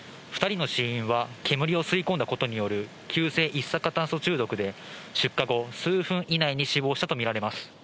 ２人の死因は煙を吸い込んだことによる急性一酸化炭素中毒で、出火後、数分以内に死亡したと見られます。